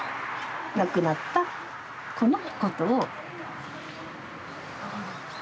亡くなった子のことを場所。